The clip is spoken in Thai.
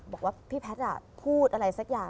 บอกว่าพี่แพทย์พูดอะไรสักอย่าง